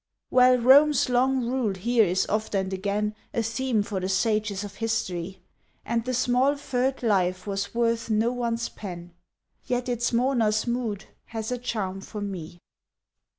Well, Rome's long rule here is oft and again A theme for the sages of history, And the small furred life was worth no one's pen; Yet its mourner's mood has a charm for me.